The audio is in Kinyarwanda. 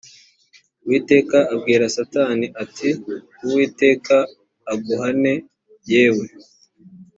uwiteka abwira satani ati uwiteka aguhane yewe